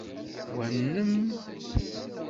Wa nnem?